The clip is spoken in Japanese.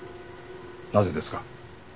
なぜですか？